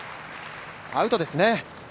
アウトですね。